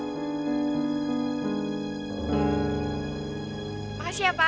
makasih ya pak